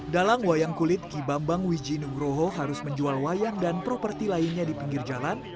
dalam wayang kulit ki bambang wiji nugroho harus menjual wayang dan properti lainnya di pinggir jalan